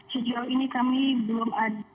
sejauh ini kami belum ada info lebih lanjut